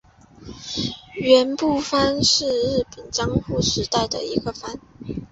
园部藩是日本江户时代的一个藩。